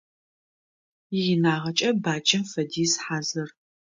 Иинагъэкӏэ баджэм фэдиз хьазыр.